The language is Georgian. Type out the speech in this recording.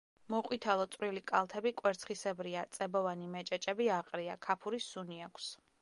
მოყვითალო წვრილი კალთები კვერცხისებრია, წებოვანი მეჭეჭები აყრია, ქაფურის სუნი აქვს.